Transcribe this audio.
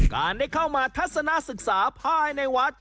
การได้เข้ามาทัศนาศึกษาภายในวัด